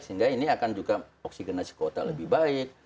sehingga ini akan juga oksigenasi ke otak lebih baik